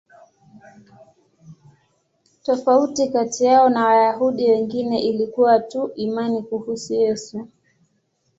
Tofauti kati yao na Wayahudi wengine ilikuwa tu imani kuhusu Yesu.